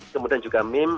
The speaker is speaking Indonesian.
kemudian juga meme